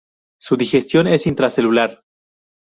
Su digestión es intracelular.